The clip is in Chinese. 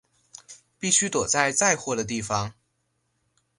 必须躲在载货的地方